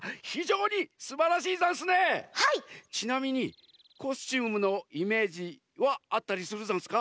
ちなみにコスチュームのイメージはあったりするざんすか？